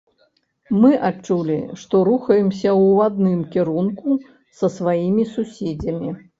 Мы адчулі, што рухаемся ў адным кірунку са сваімі суседзямі.